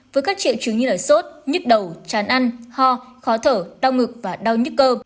với các triệu chứng như sốt nhít đầu chán ăn ho khó thở đau ngực và đau nhức cơ